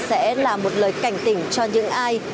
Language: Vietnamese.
sẽ là một lời cảnh tỉnh cho những ai